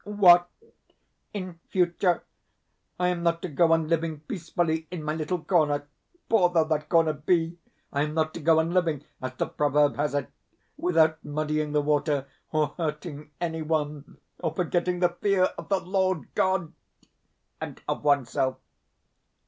What? In future I am not to go on living peacefully in my little corner, poor though that corner be I am not to go on living, as the proverb has it, without muddying the water, or hurting any one, or forgetting the fear of the Lord God and of oneself?